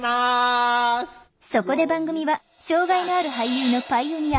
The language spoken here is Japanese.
そこで番組は障害のある俳優のパイオニア